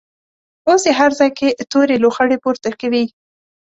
اوس یې هر ځای کې تورې لوخړې پورته کوي.